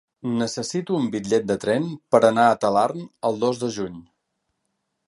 Necessito un bitllet de tren per anar a Talarn el dos de juny.